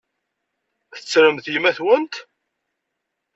Tettremt yemma-twent?